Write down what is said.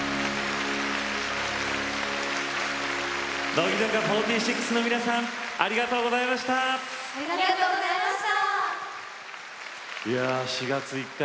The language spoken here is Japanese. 乃木坂４６の皆さんありがとうございました。